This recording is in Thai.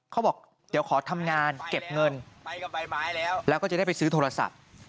เขาบอกเดี๋ยวขอทำงานเก็บเงินแล้วก็จะได้ไปซื้อโทรศัพท์